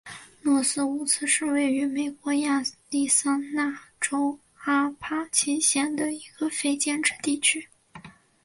诺斯伍兹是位于美国亚利桑那州阿帕契县的一个非建制地区。